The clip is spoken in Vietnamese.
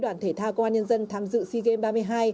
đoàn thể thao công an nhân dân tham dự sea games ba mươi hai